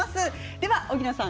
では荻野さん